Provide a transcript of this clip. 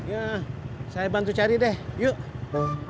ya saya bantu cari deh yuk